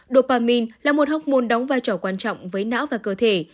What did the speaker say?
dopamin là một học môn đóng vai trò quan trọng với não và cơ thể